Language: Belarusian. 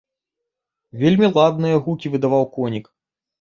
Вельмі ладныя гукі выдаваў конік.